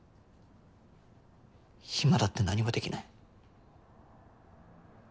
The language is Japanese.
今だって何もできない。